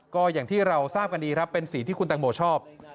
ก็อย่างที่เราทราบกันดีครับเป็นสีที่คุณตังโมชอบ